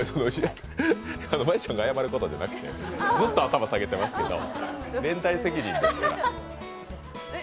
真悠ちゃんが謝ることじゃなくて、ずっと頭下げてますけど、連帯責任ですから。